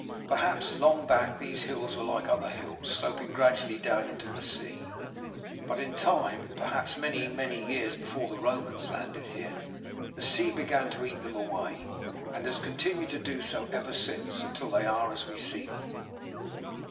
Perhaps, long back, these hills were like other hills, sloping gradually down into the sea; but in time, perhaps many, many years before the Romans landed here, the sea began to eat them away, and has continued to do so ever since, until they are as we see them."